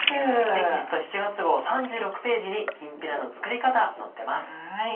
テキスト７月号３６ページにきんぴらの作り方載ってます。